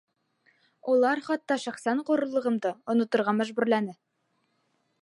Улар хатта шәхсән ғорурлығымды оноторға мәжбүрләне.